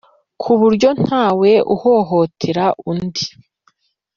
, ku buryo ntawe uhohotera nundi.